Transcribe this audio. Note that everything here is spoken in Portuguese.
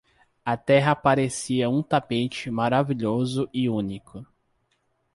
A terra parecia um tapete maravilhoso e único.